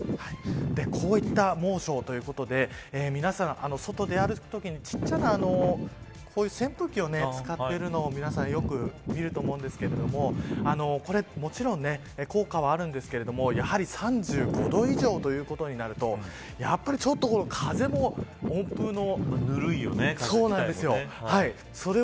こういった猛暑ということで皆さん、外出歩くときにちっちゃなこういう扇風機を使っているのを皆さんよく見ると思うんですがこれもちろん効果はあるんですけれども、やはり３５度以上ということになるとやっぱりちょっと風も温風の。